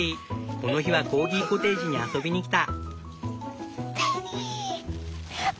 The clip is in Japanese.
この日はコーギコテージに遊びに来た。